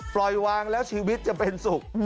ปล่อยวางแล้วชีวิตจะเป็นสุข